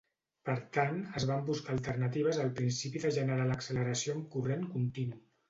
Per tant, es van buscar alternatives al principi de generar l'acceleració amb corrent continu.